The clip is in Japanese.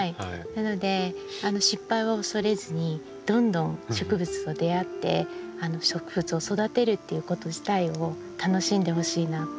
なので失敗は恐れずにどんどん植物と出会って植物を育てるっていうこと自体を楽しんでほしいなって思います。